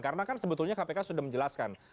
karena kan sebetulnya kpk sudah menjelaskan